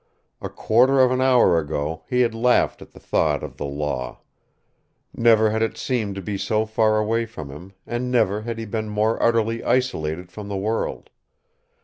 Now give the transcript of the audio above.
A quarter of an hour ago he had laughed at the thought of the law. Never had it seemed to be so far away from him, and never had he been more utterly isolated from the world.